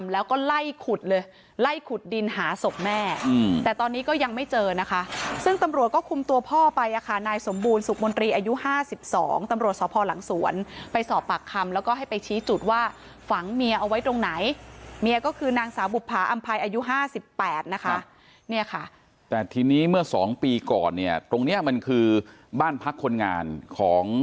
แล้วก็ไล่ขุดเลยไล่ขุดดินหาศพแม่แต่ตอนนี้ก็ยังไม่เจอนะคะซึ่งตำรวจก็คุมตัวพ่อไปอ่ะค่ะนายสมบูรณสุขมนตรีอายุ๕๒ตำรวจสพหลังสวนไปสอบปากคำแล้วก็ให้ไปชี้จุดว่าฝังเมียเอาไว้ตรงไหนเมียก็คือนางสาวบุภาอำภัยอายุห้าสิบแปดนะคะเนี่ยค่ะแต่ทีนี้เมื่อสองปีก่อนเนี่ยตรงเนี้ยมันคือบ้านพักคนงานของ